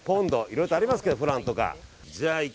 いろいろありますけどフランとか。